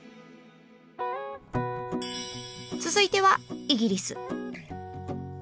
続いてはイギリス。